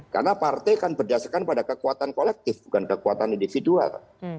karena partai kan berdasarkan pada kekuatan kolektif bukan kekuatan individual